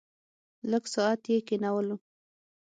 لږ ساعت یې کېنولو.